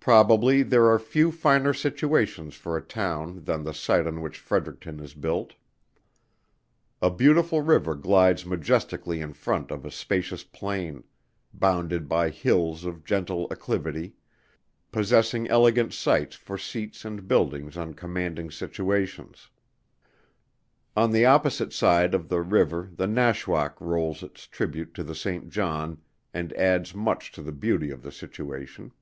Probably there are few finer situations for a town than the site on which Fredericton is built. A beautiful river glides majestically in front of a spacious plain; bounded by hills of gentle acclivity, possessing elegant sites for seats and buildings on commanding situations. On the opposite side of the river the Nashwaack rolls its tribute to the Saint John and adds much to the beauty of the situation.